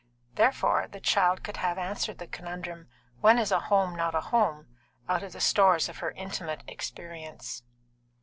Therefore, the child could have answered the conundrum, "When is a home not a home?" out of the stores of her intimate experience.